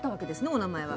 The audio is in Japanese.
お名前は。